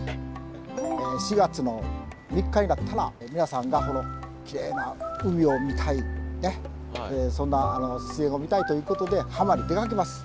４月の３日になったら皆さんがきれいな海を見たいそんな自然を見たいということで浜に出かけます。